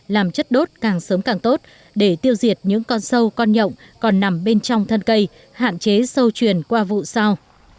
làm chất đốt càng sớm càng tốt để tiêu diệt những con sâu con nhộng còn nằm bên trong thân cây hạn chế sâu truyền qua vụ sau